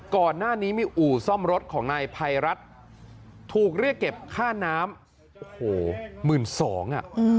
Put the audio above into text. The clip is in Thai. ก่อนหน้านี้มีอู่ซ่อมรถของนายภัยรัฐถูกเรียกเก็บค่าน้ำโอ้โห๑๒๐๐บาท